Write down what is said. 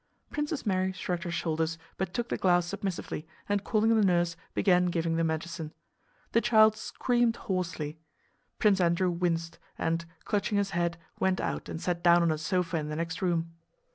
Princess Mary shrugged her shoulders but took the glass submissively and calling the nurse began giving the medicine. The child screamed hoarsely. Prince Andrew winced and, clutching his head, went out and sat down on a sofa in the next room.